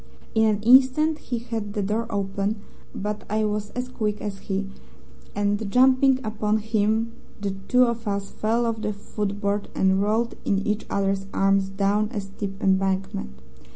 In an instant he had the door open, but I was as quick as he, and jumping upon him the two of us fell off the footboard and rolled in each other's arms down a steep embankment.